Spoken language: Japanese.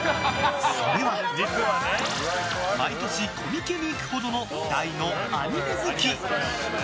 それは、毎年コミケに行くほどの大のアニメ好き。